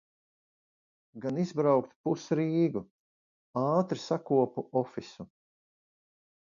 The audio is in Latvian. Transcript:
Gan izbraukt pus Rīgu. Ātri sakopu ofisu.